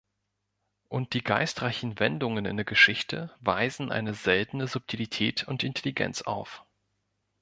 Und die geistreichen Wendungen in der Geschichte weisen eine seltene Subtilität und Intelligenz auf.